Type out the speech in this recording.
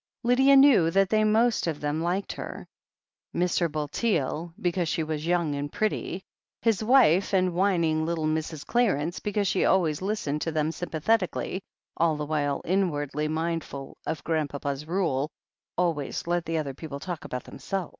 Lydia knew that they most of them liked her, Mr. Bulteel because she was young and pretty, his wife, and whining little Mrs. Clarence, because she always listened to them sympathetically, all the while inwardly mindful of Grandpapa's rule —'* Always let the other people talk about themselves.